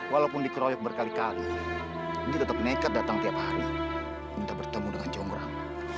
walaupun dikeroyok berkali kali ini tetap nekat datang tiap hari minta bertemu dengan jonggrang